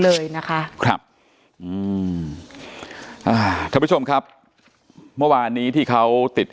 เลยนะคะครับท่านผู้ชมครับเมื่อวานนี้ที่เขาติด